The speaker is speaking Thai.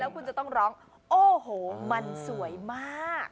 คุณจะต้องร้องโอ้โหมันสวยมาก